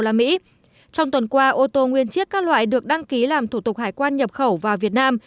trong tuần qua ô tô nguyên chiếc các loại được đăng ký làm thủ tục hải quan nhập khẩu vào việt nam